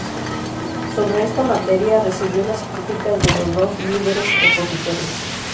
Sobre esta materia, recibió las críticas de los dos líderes opositores.